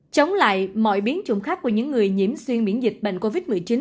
chống lại mọi biến chủng khác của những người nhiễm xuyên miễn dịch bệnh covid một mươi chín